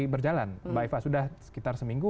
berjalan mbak eva sudah sekitar seminggu